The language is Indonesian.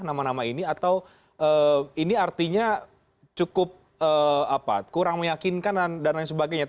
nama nama ini atau ini artinya cukup kurang meyakinkan dan lain sebagainya